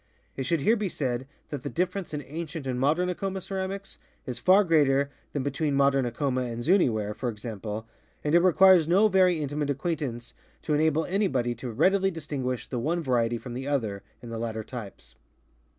It should here be said that the difference in ancient and modern Acoma ceramics is far greater than between modern Acoma and Zuiii ware, for example, and it requires no very intimate acquaintance to enable anybody to readily distinguish the one variety from the other in the latter types.